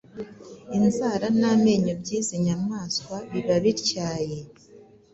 inzara n’amenyo by’izi nyamaswa biba bityaye